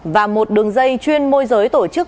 và một đường dây chuyên môi giới tổ chức